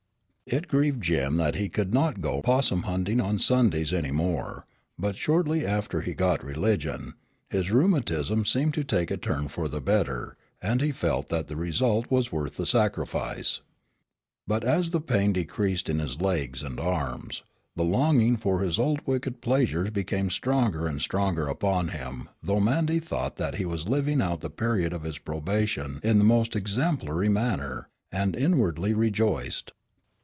It grieved Jim that he could not go 'possum hunting on Sundays any more, but shortly after he got religion, his rheumatism seemed to take a turn for the better and he felt that the result was worth the sacrifice. But as the pain decreased in his legs and arms, the longing for his old wicked pleasures became stronger and stronger upon him though Mandy thought that he was living out the period of his probation in the most exemplary manner, and inwardly rejoiced.